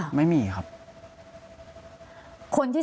ก็คลิปออกมาแบบนี้เลยว่ามีอาวุธปืนแน่นอน